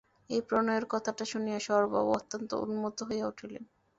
এই প্রণয়ের কথাটা শুনিয়া স্বরূপবাবু অত্যন্ত উন্মত্ত হইয়া উঠিলেন।